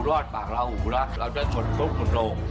รอดปากราหูแล้วเราจะกดทุกข์ส่วนโตก